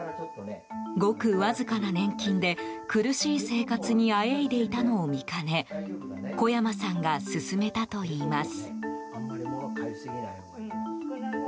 ごくわずかな年金で苦しい生活にあえいでいたのを見かね小山さんが勧めたといいます。